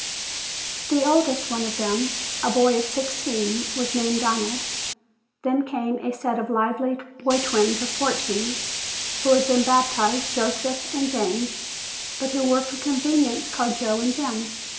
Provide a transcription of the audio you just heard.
The oldest one of them, a boy of sixteen, was named Donald. Then came a set of lively boy twins of fourteen, who had been baptized "Joseph" and "James", but who were for convenience called Joe and Jim.